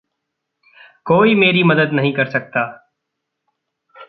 कोई मेरी मदद नहीं कर सकता।